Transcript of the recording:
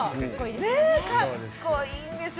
かっこいいんですよ。